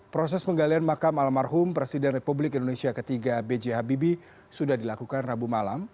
proses penggalian makam almarhum presiden republik indonesia ketiga b j habibie sudah dilakukan rabu malam